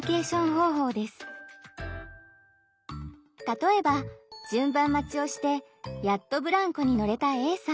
例えば順番待ちをしてやっとブランコに乗れたＡさん。